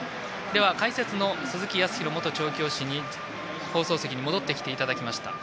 解説の鈴木康弘元調教師に放送席に戻ってきていただきました。